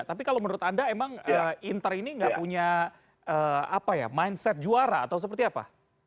tapi kalau menurut anda emang inter ini nggak punya mindset juara atau seperti apa